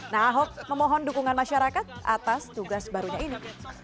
nah ahok memohon dukungan masyarakat atas tugas barunya ini